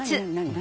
何？